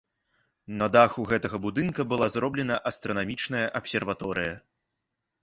На даху гэтага будынка была зроблена астранамічная абсерваторыя.